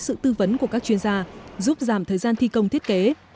mà không cần tới sự tư vấn của các chuyên gia giúp giảm thời gian thi công thiết kế